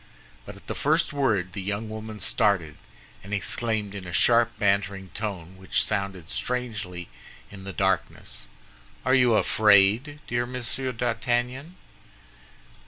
But at the first word the young woman started, and exclaimed in a sharp, bantering tone, which sounded strangely in the darkness, "Are you afraid, dear Monsieur d'Artagnan?"